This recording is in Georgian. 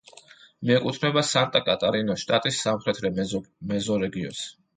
მიეკუთვნება სანტა-კატარინას შტატის სამხრეთ მეზორეგიონს.